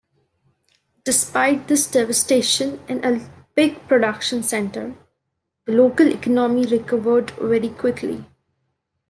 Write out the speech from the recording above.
Despite this devastation in a big production center, the local economy recovered very quickly.